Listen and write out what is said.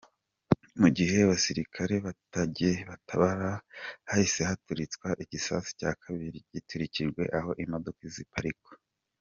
Mu gihe abasirikare batabaraga, hahise haturitswa igisasu cya kabiri giturikirijwe aho imodoka ziparikwa.